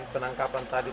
penangkapan tadi terjadi